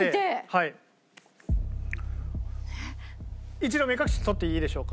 一度目隠し取っていいでしょうか？